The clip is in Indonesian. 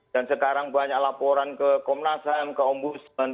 dan sekarang banyak laporan ke komnas hm ke om busen